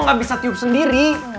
gak bisa tiup sendiri